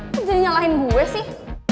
lo jadi nyalahin gue sih